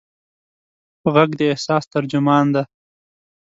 غږ د احساس ترجمان دی.